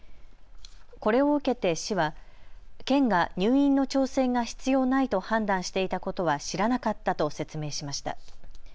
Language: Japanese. これを受けて市は県が入院の調整が必要ないと判断していたことは知らなかったと説明しました。